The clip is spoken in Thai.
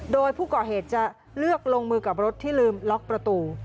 โดยผู้ก่อเหตุจะเลือกลงมือกับรถที่ลืมล็อกประตู